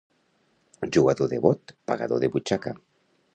Jugador de bot, pagador de butxaca.